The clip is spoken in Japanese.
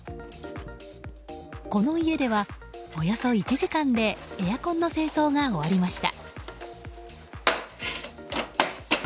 この家では、およそ１時間でエアコンの清掃が終わりました。